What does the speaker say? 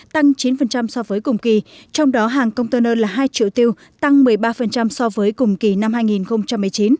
tăng chín so với cùng kỳ trong đó hàng container là hai triệu tiêu tăng một mươi ba so với cùng kỳ năm hai nghìn một mươi chín